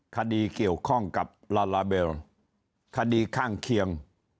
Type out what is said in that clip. คดีเกี่ยวข้องกับลาลาเบลคดีข้างเคียง